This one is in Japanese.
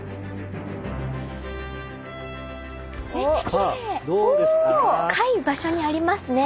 高い場所にありますね。